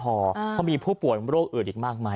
เพราะมีผู้ป่วยโรคอื่นอีกมากมาย